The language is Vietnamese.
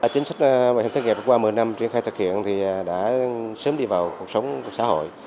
chính sách bảo hiểm thất nghiệp qua một mươi năm triển khai thực hiện thì đã sớm đi vào cuộc sống của xã hội